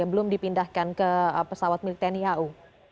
belum dipindahkan ke pesawat milik tni au